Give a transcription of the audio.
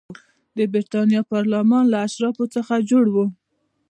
د برېټانیا پارلمان له اشرافو څخه جوړ و.